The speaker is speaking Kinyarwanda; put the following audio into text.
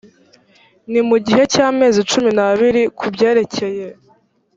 ni mu gihe cy amezi cumi n abiri ku byerekeye